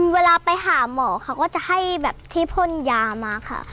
เวลาไปหาหมอเขาจะให้ที่ผลยามาค่ะ